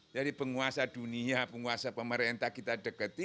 jadi penguasa dunia penguasa pemerintah kita dekati